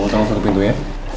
pertama masuk ke pintunya